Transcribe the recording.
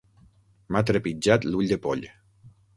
M'ha trepitjat l'ull de poll.